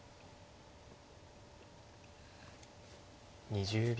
２０秒。